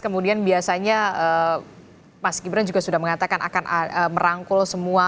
kemudian biasanya mas gibran juga sudah mengatakan akan merangkul semua